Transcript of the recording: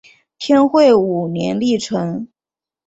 天会五年历成。